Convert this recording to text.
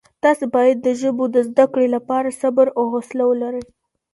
تاسي باید د ژبو د زده کړې لپاره صبر او حوصله ولرئ.